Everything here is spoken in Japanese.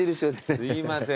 すいません。